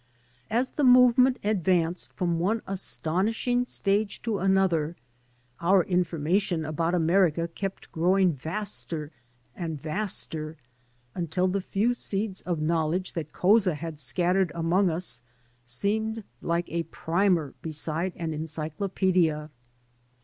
As the movement advanced from one astonishing stage to another our information about America kept growing vaster and vaster, until the few seeds of knowledge that Couza had scattered among us seemed like a primer beside an encyclopaedia.